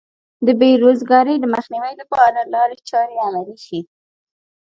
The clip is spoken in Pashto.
د بې روزګارۍ د مخنیوي لپاره لارې چارې عملي شي.